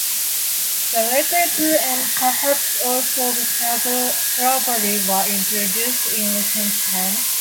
The latter two, and perhaps also the trevally, were introduced in recent times.